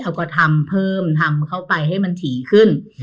เขาก็ทำเพิ่มทำเข้าไปให้มันถี่ขึ้น